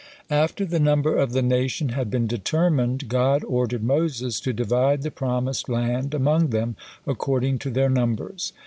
After the number of the nation had been determined, God ordered Moses to divide the promised land among them according to their numbers.